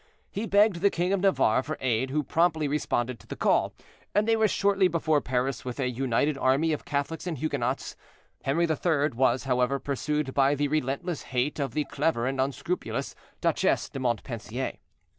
He begged the king of Navarre for aid, who promptly responded to the call, and they were shortly before Paris with a united army of Catholics and Huguenots. Henri III. was, however, pursued by the relentless hate of the clever and unscrupulous Duchesse de Montpensier.